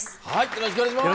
よろしくお願いします！